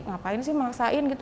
ngapain sih mengaksain gitu